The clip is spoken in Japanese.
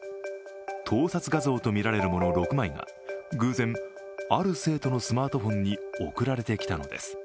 盗撮画像とみられるもの６枚が偶然ある生徒のスマートフォンに送られてきたのです。